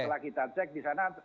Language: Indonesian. setelah kita cek di sana